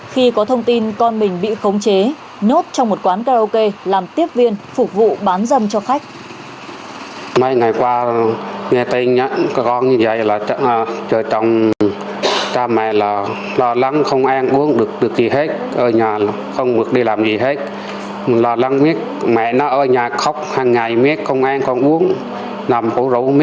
khi có thông tin con mình bị khống chế nốt trong một quán karaoke làm tiếp viên phục vụ bán dâm cho khách